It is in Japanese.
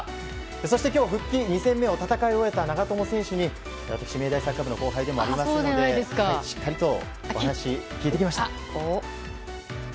そして今日復帰２戦目を戦い終えた長友選手に私、明大サッカー部の後輩でもありますのでお話を聞いてきました。